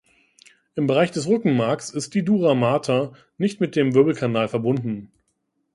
Im Bereich des Rückenmarks ist die "Dura mater" nicht mit dem Wirbelkanal verbunden.